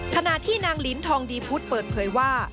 ขณะที่นางลินทองดีพุทธเปิดเผยว่า